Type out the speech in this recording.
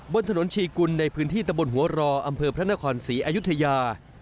บนถนนชีกุลในพื้นที่ตะบนหัวรออำเภอพระนครศรีอายุทยา